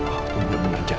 aku tuh bener bener jahat